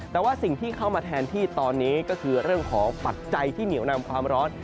แต่ว่าสิ่งที่เข้ามาแทนที่ตอนนี้ก็คือเรื่องของปัจจัยที่เหนียวนำความร้อน